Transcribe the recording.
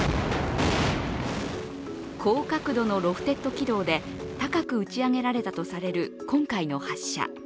高角度のロフテッド軌道で高く打ちあげられたとされる今回の発射。